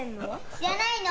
知らないの？